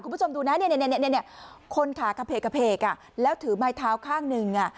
คุณผู้ชมดูนะคนขาเข้าเพกแล้วถือไม้เท้าข้างหนึ่ง